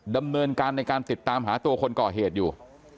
ดำเนินการในการติดตามหาตัวคนก่อเหตุอยู่